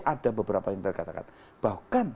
ada beberapa yang dikatakan bahkan